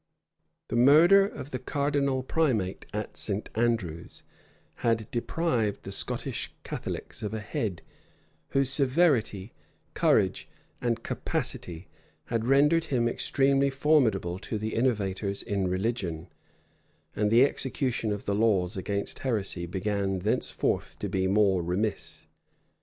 The murder of the cardinal primate at St. Andrew's had deprived the Scottish Catholics of a head whose severity, courage, and capacity had rendered him extremely formidable to the innovators in religion; and the execution of the laws against heresy began thenceforth to be more remiss.